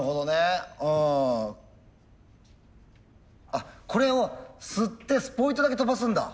あこれを吸ってスポイトだけ飛ばすんだ。